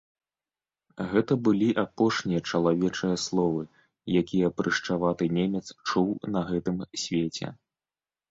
Гэта былі апошнія чалавечыя словы, якія прышчаваты немец чуў на гэтым свеце.